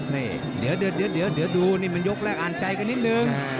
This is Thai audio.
นี่เดี๋ยวดูนี่มันยกแรกอ่านใจกันนิดนึง